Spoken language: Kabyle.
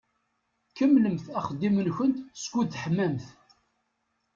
Kemmlemt axeddim-nkent skud teḥmamt.